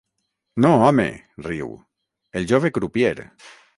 No, home —riu—, el jove crupier.